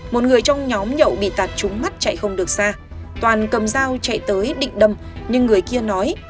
một người trong nhóm nhậu bị tạt trúng mắt chạy không được xa toàn cầm dao chạy tới định đâm nhưng người kia nói